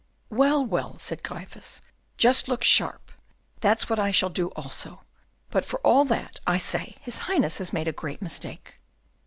"Well, well," said Gryphus, "just look sharp: that's what I shall do also. But, for all that, I say his Highness has made a great mistake."